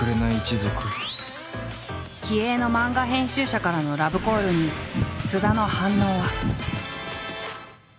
気鋭の漫画編集者からのラブコールに菅田の反応は。